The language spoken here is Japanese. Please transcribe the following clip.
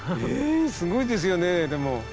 えーっすごいですよねでも。